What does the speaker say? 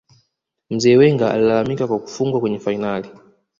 Mzee Wenger alilalamika kwa kufungwa kwenye fainali